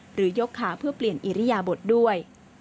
หรือยกค้าเพื่อเปลี่ยนอิริยาบทด้วย